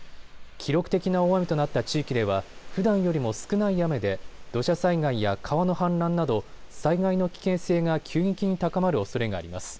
記録的な大雨となった地域ではふだんよりも少ない雨で土砂災害や川の氾濫など災害の危険性が急激に高まるおそれがあります。